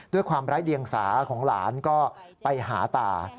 ด้วยความไร้เดียงสาของหลานก็ไปหาตา